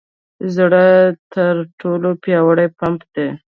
زړه تر ټولو پیاوړې پمپ دی.